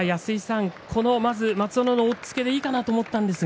松園の押っつけでいいかなと思ったんですが。